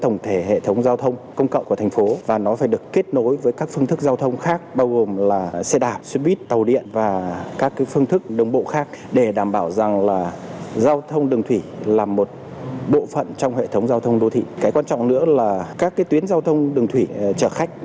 nói chọn nữa là các cái tuyến giao thông đường thủy chở khách